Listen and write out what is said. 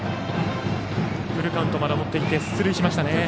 フルカウントまで持っていって出塁しました。